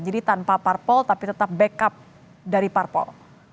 jadi tanpa parpol tapi tetap backup dari parpol